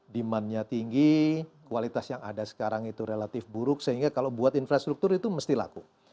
demandnya tinggi kualitas yang ada sekarang itu relatif buruk sehingga kalau buat infrastruktur itu mesti laku